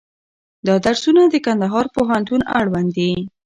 دا درسونه د کندهار پوهنتون اړوند دي.